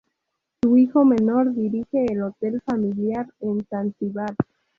Su hijo menor dirige el hotel familiar en Zanzíbar.